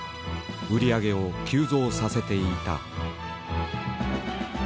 売り上げを急増させていた。